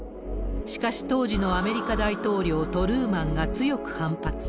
しかし当時のアメリカ大統領、トルーマンが強く反発。